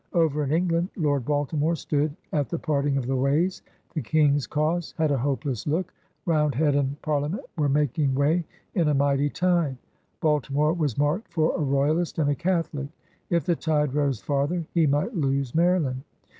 Over in England, Lord Balti more stood at the parting of the ways... The King's cause had a hopeless look. Roundhead and Par CHURCH AND KINGDOM 145 liament were making way in a mighty tide. Balti more was marked for a royalist and a Catholic. If the tide rose farther, he might lose Maryland.